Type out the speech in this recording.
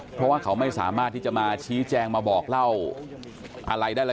เพราะว่าเขาไม่สามารถที่จะมาชี้แจงมาบอกเล่าอะไรได้แล้ว